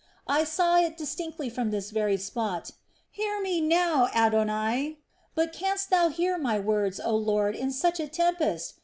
I saw it distinctly from this very spot. Hear me now, Adonai. But canst Thou hear my words, oh Lord, in such a tempest?